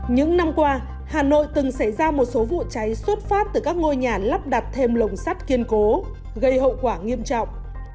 những năm qua hà nội từng xảy ra một số vụ cháy xuất phát từ các ngôi nhà lắp đặt thêm lồng sắt kiên cố gây hậu quả nghiêm trọng